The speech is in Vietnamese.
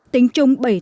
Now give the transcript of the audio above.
tính chung bảy tháng